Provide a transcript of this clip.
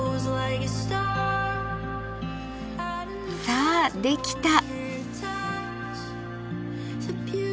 さあできた！